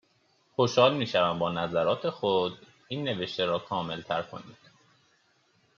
خوشحال میشوم با نظرات خود، این نوشته را کاملتر کنید